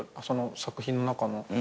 その作品の中の。